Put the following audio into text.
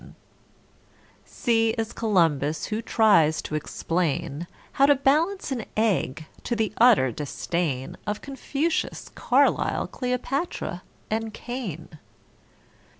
=C= is =C=olumbus, who tries to explain How to balance an egg to the utter disdain Of =C=onfucius, =C=arlyle, =C=leopatra, and =C=ain.